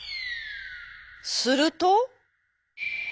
すると。